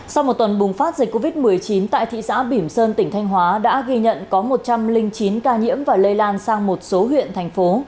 sau một tuần bùng phát dịch covid một mươi chín tại thị xã bỉm sơn tỉnh thanh hóa đã ghi nhận có một trăm linh chín ca nhiễm và lây lan sang một số huyện thành phố